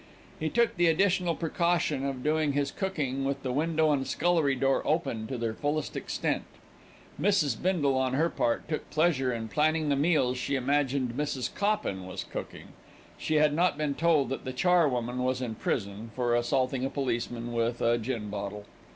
He took the additional precaution of doing his cooking with the window and scullery door open to their fullest extent. Mrs. Bindle, on her part, took pleasure in planning the meals she imagined Mrs. Coppen was cooking. She had not been told that the charwoman was in prison for assaulting a policeman with a gin bottle.